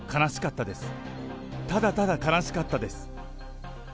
ただただ悲しかったです。